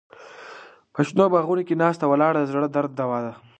په شنو باغونو کې ناسته ولاړه د زړه درد دوا ده.